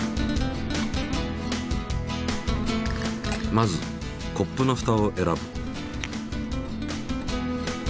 まずコップのふたを選ぶ。